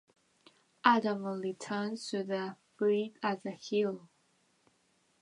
Adama returns to the fleet as a hero.